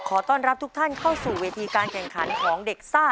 ขอต้อนรับทุกท่านเข้าสู่เวทีการแข่งขันของเด็กซ่า